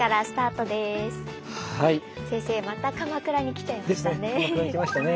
先生また鎌倉に来ちゃいましたね。